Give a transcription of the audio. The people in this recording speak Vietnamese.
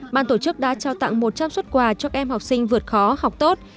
ban tổ chức đã trao tặng một trăm linh xuất quà cho các em học sinh vượt khó học tốt